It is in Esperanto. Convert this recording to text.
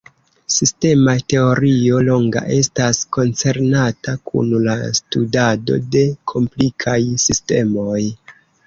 Sistema teorio longa estas koncernata kun la studado de komplikaj sistemoj.